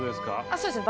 そうですね